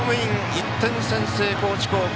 １点先制、高知高校。